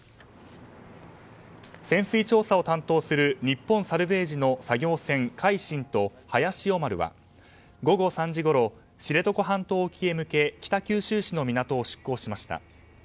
潜水調査を担当する日本サルヴェージの作業船「海進」と「早潮丸」は午後３時ごろ知床半島沖へ向け北九州市の港を出港しました。